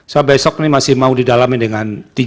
saya besok ini masih mau didalamin dengan